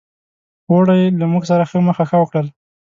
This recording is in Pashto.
اوړي له موږ سره مخه ښه وکړل.